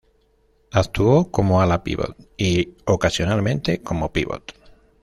Actuó como ala-pívot y ocasionalmente como pívot.